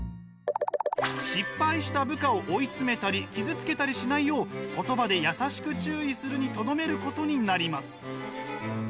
失敗した部下を追い詰めたり傷つけたりしないよう言葉で優しく注意するにとどめることになります。